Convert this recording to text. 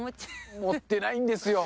持ってないんですよ。